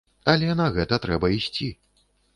Але на гэта трэба ісці.